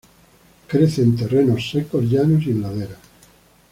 Crece en terrenos secos, llanos y en laderas.